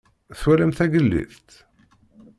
Twalam tagellidt?